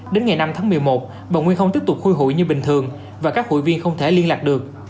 đến ngày năm tháng một mươi một bà nguyên không tiếp tục khui hội như bình thường và các hội viên không thể liên lạc được